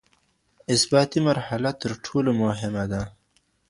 اثباتي مرحله تر ټولو مهمه ده.